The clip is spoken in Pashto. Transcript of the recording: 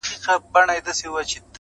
حکم د حدیث قرآن ګوره چي لا څه کیږي!!